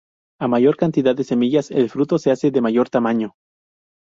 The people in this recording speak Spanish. A mayor cantidad de semillas, el fruto se hace de mayor tamaño.